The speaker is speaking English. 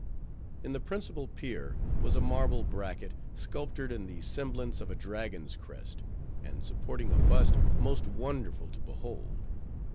In the principal pier was a marble bracket, sculptured in the semblance of a dragon's crest, and supporting a bust, most wonderful to behold.